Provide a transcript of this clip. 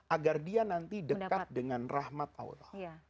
agar dia nanti dekat dengan rahmat allah